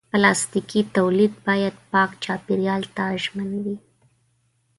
پلاستيکي تولید باید پاک چاپېریال ته ژمن وي.